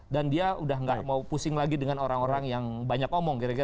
dan dia udah nggak mau pusing lagi dengan orang orang yang banyak omong